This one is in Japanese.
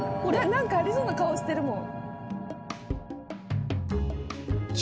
何かありそうな顔してるもん。